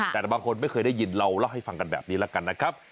แต่บางคนไม่เคยได้ยินเราเล่าให้ฟังกันแบบนี้แล้วกันนะครับ